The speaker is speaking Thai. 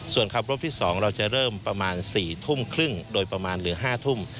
ส่วนขับรถที่๒เราจะเริ่มประมาณ๔ทุ่มครึ่งโดยประมาณหรือ๕ทุ่ม